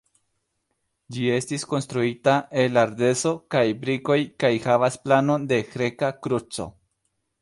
Ĝi estis konstruita el ardezo kaj brikoj kaj havas planon de greka kruco.